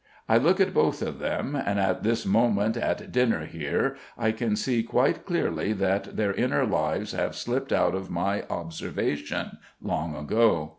I look at both of them, and at this moment at dinner here I can see quite clearly that their inner lives have slipped out of my observation long ago.